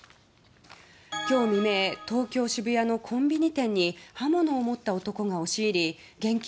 今日未明東京・渋谷のコンビニ店に刃物を持った男が押し入り現金